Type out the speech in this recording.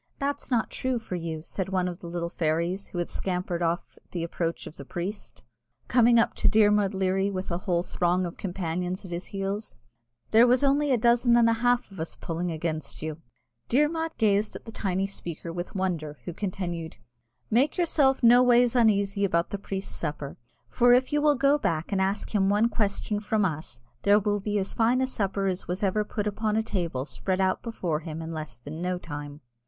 "That's not true for you," said one of the little fairies who had scampered off at the approach of the priest, coming up to Dermod Leary with a whole throng of companions at his heels; "there was only a dozen and a half of us pulling against you." Dermod gazed on the tiny speaker with wonder, who continued, "Make yourself noways uneasy about the priest's supper; for if you will go back and ask him one question from us, there will be as fine a supper as ever was put on a table spread out before him in less than no time."